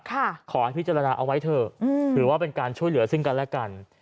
ขอให้พิจารณาเอาไว้เถอะถือว่าเป็นการช่วยเหลือซึ่งกันและกัน